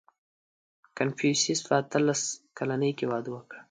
• کنفوسیوس په اتلس کلنۍ کې واده وکړ.